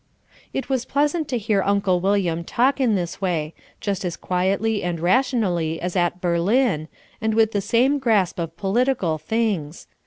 It was pleasant to hear Uncle William talk in this way, just as quietly and rationally as at Berlin, and with the same grasp of political things.